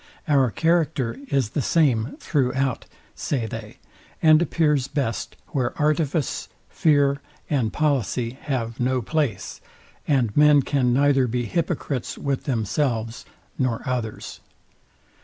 Our character is the same throughout, say they, and appears best where artifice, fear, and policy have no place, and men can neither be hypocrites with themselves nor others.